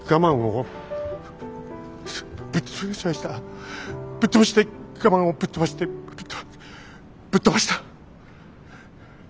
ぶっ潰して我慢をぶっ飛ばしてぶっ飛ばした。